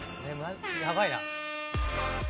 やばいな。